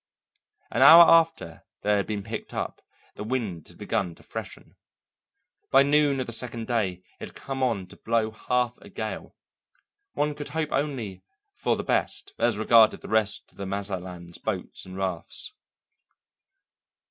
An hour after they had been picked up, the wind had begun to freshen. By noon of the second day it had come on to blow half a gale. One could hope only for the best as regarded the rest of the Mazatlan's boats and rafts.